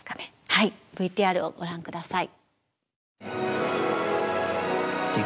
はいＶＴＲをご覧下さい。